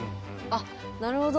あっなるほど。